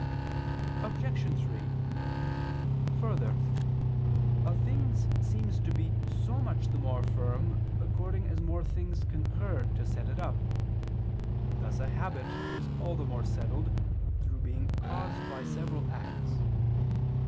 Obj. 3: Further, a thing seems to be so much the more firm according as more things concur to set it up: thus a habit is all the more settled through being caused by several acts.